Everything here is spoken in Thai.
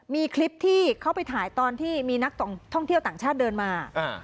มีคลิปที่เขาไปถ่ายตอนที่มีนักท่องเที่ยวต่างชาติเดินมา